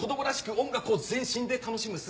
音楽を全身で楽しむ姿。